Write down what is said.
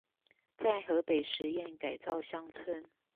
在河北實驗改造鄉村